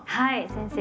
先生